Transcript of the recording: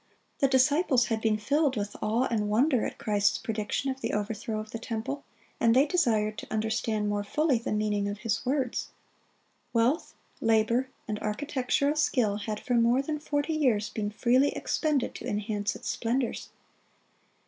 (28) The disciples had been filled with awe and wonder at Christ's prediction of the overthrow of the temple, and they desired to understand more fully the meaning of His words. Wealth, labor, and architectural skill had for more than forty years been freely expended to enhance its splendors.